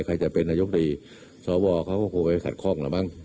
ใครจะเป็นนายกดีสวเขาก็โปรไปขัดคล่องละบ้าง